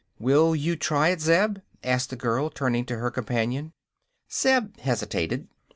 "Will you try it, Zeb" asked the girl, turning to her companion. Zeb hesitated.